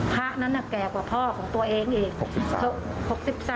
พระนั้นแก่กว่าพ่อของตัวเองอีก